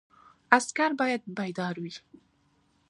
عسکر باید بیدار وي